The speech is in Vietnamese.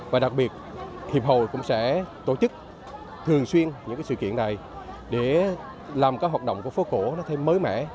và đặc biệt hiệp hội cũng sẽ tổ chức thường xuyên những sự kiện này để làm các hoạt động của phố cổ nó thêm mới mẻ